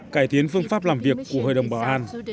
cải thiến phương pháp làm việc của hội đồng bảo an